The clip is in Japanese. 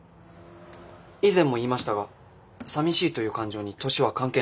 以前も言いましたがさみしいという感情に年は関係ないかと。